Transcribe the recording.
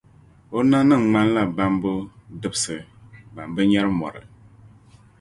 O nanim’ ŋmanila bambu’ dibisi bɛn bi nyari mɔri.